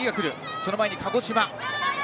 その前に鹿児島。